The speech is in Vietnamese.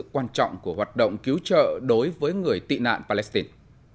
quan trọng của hoạt động cứu trợ đối với người tị nạn palestine